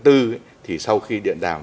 thì sau khi điện đàm